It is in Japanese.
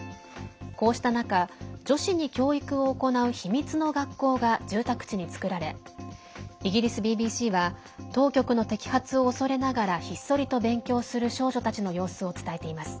こうした中、女子に教育を行う秘密の学校が住宅地に作られイギリスＢＢＣは当局の摘発を恐れながらひっそりと勉強する少女たちの様子を伝えています。